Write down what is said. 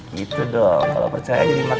gitu dong kalau percaya jadi makin manis